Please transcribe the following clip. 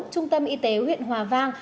trung tâm y tế huyện hòa vang